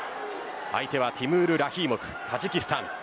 相手はティムール・ラヒーモフタジキスタン。